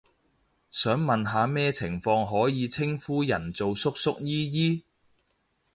想問下咩情況可以稱呼人做叔叔姨姨？